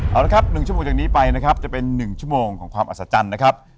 เอาละครับ๑ชั่วโมงจากนี้ไปนะครับจะเป็น๑ชั่วโมงของความอัศจรรย์นะครับ